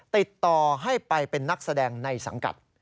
ติดต่อให้ไปเป็นนักแสดงในสังกัด